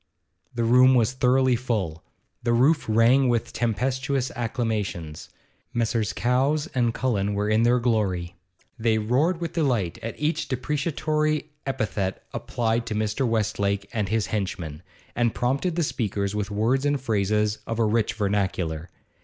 The room was thoroughly full; the roof rang with tempestuous acclamations. Messrs. Cowes and Cullen were in their glory; they roared with delight at each depreciatory epithet applied to Mr. Westlake and his henchmen, and prompted the speakers with words and phrases of a rich vernacular.